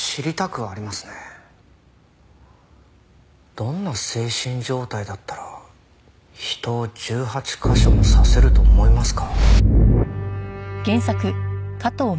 どんな精神状態だったら人を１８カ所も刺せると思いますか？